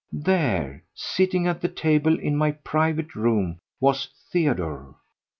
There, sitting at the table in my private room, was Theodore.